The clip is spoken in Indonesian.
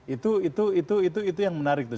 itu itu itu itu itu yang menarik tuh